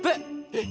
えっ？